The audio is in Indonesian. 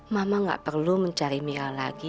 mama tidak perlu mencari mira lagi